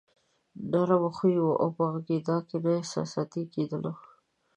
نرم خويه وو او په غږېدا کې نه احساساتي کېدلو.